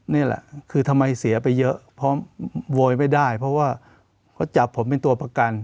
นี่แหละคือทำไมเสียไปเยอะเพราะโวยไม่ได้เพราะว่าเขาจับผมเป็นตัวประกัน